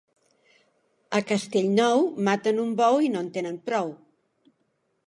A Castellnou maten un bou i no en tenen prou.